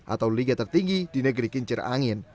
atau liga tertinggi di negeri kincir angin